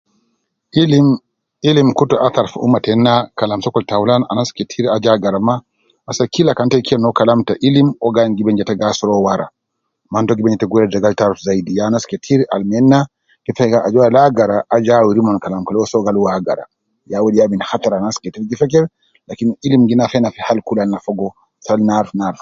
Ilim ilim kutu athar fi umma tena kalam sokol taulan anas ketir aju agara ma, ase kila kan te kelem no kalam te ilim uwo gi ayin gi ben je te gi asuru uwo wara man to gi ben je te gi weri no taarif zaidi ta anas ketir al nena ita gi ajol al agara aju kede uwo awun omon kalam kede uwo soo kede uwo agara ya uwo ja min hattar al anas gi feker lakin ilim gi nafa ina fi bakan al na fogo al na aruf